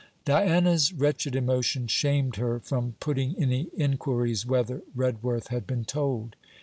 Diana's wretched emotion shamed her from putting any inquiries whether Redworth had been told.